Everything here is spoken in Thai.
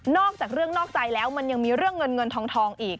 อกจากเรื่องนอกใจแล้วมันยังมีเรื่องเงินเงินทองอีก